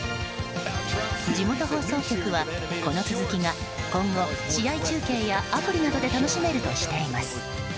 地元放送局はこの続きが今後、試合中継やアプリなどで楽しめるとしています。